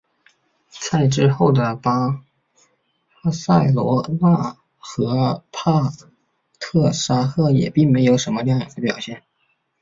在之后的巴塞罗那和帕特沙赫也并没有什么亮眼的表现。